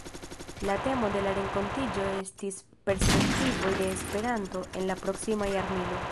La temo de la renkontiĝo estis “Perspektivoj de Esperanto en la Proksima Jarmilo”.